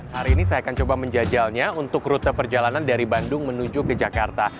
hari ini saya akan coba menjajalnya untuk rute perjalanan dari bandung menuju ke jakarta